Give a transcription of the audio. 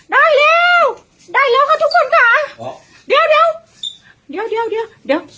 ได้แล้วได้แล้วค่ะทุกคนค่ะเดี๋ยวเดี๋ยวเดี๋ยวเดี๋ยว